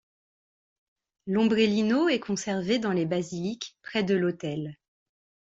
L'ombrellino est conservé dans les basiliques, près de l'autel.